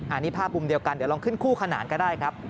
อันนี้ภาพมุมเดียวกันเดี๋ยวลองขึ้นคู่ขนานก็ได้ครับ